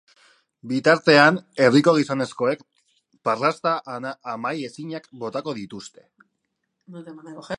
Bitartean, herriko gizonezkoek parrasta amai ezinak botako dituzte.